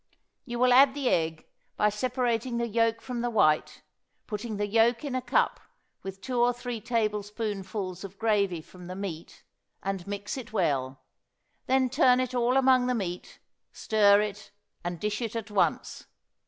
You will add the egg by separating the yolk from the white, putting the yolk in a cup with two or three tablespoonfuls of gravy from the meat and mix it well; then turn it all among the meat, stir it and dish it at once.